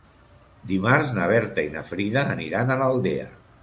Dimarts na Berta i na Frida aniran a l'Aldea.